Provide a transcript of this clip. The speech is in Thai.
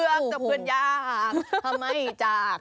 จะเป็นยากถ้าไม่จาก